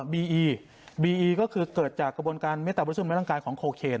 บีอีบีอีก็คือเกิดจากกระบวนการเมตตาบริสุมในร่างกายของโคเคน